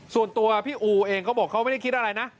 ส่วนตัวพี่อูเองเขาบอกเขาไม่ได้คิดอะไรนะ